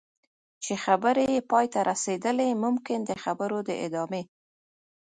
چې خبرې یې پای ته رسېدلي ممکن د خبرو د ادامې.